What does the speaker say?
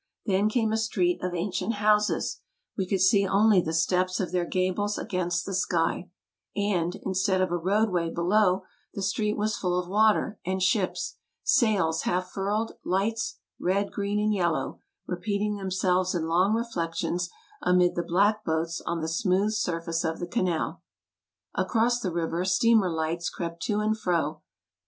Then came a street of ancient houses — we could see only the steps of their gables against the sky — and, in stead of a roadway below, the street was full of water and ships, sails half furled, lights, red, green, and yellow, re peating themselves in long reflections amid the black boats on the smooth surface of the canal. Across the river steamer lights crept to and fro.